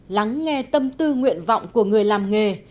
lắng nghe tâm tư nguyện vọng của người làm nghề